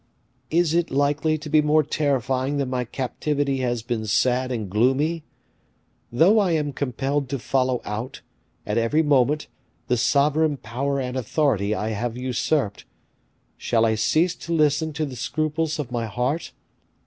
"Is it likely to be more terrifying than my captivity has been sad and gloomy? Though I am compelled to follow out, at every moment, the sovereign power and authority I have usurped, shall I cease to listen to the scruples of my heart?